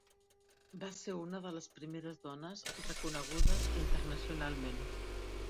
Va ser una de les primeres dones reconegudes internacionalment.